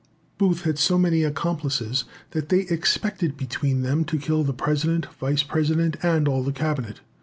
Booth had so many accomplices, that they expected between them to kill the President, Vice President, and all the Cabinet.